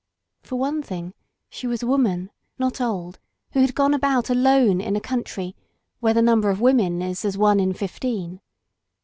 For one thing, she was a wo ^ an, not old, who had gone about alone in a country where the number of women is as one in fifteen.